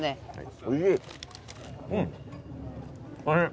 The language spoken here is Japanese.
おいしい。